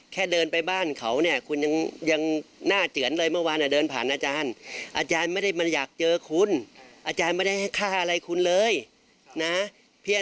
เพียงแต่ว่าสิ่งที่อาจารย์มาเนี่ย